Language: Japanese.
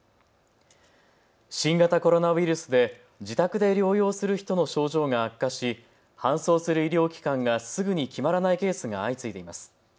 新型コロナウイルスで自宅で療養する人の症状が悪化し搬送する医療機関がすぐに決まらないケースが相次いでいます。